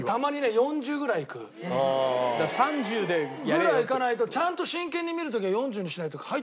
ぐらいいかないとちゃんと真剣に見る時は４０にしないと入ってこない。